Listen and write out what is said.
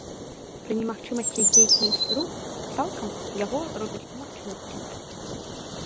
Пры немагчымасці здзейсніць руку цалкам, яго робяць па магчымасці.